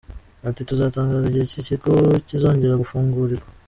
Ati “Tuzatangaza igihe iki kigo kizongera gufungurirwa.